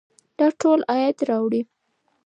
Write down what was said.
دا ټول عاید راوړي.